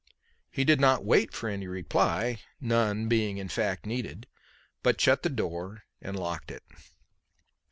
He did not wait for any reply none being in fact needed but shut the door and locked it.